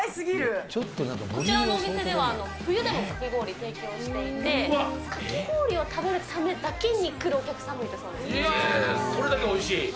こちらのお店では、冬でもかき氷、提供していて、かき氷を食べるためだけに来るお客さんもいるそうなんです。